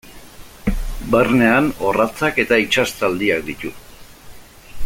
Barnean orratzak eta itsas zaldiak ditu.